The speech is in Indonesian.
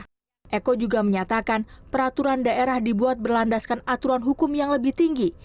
eko juga menyatakan peraturan daerah dibuat berlandaskan aturan hukum yang lebih tinggi